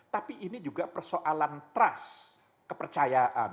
tapi ini juga persoalan trust kepercayaan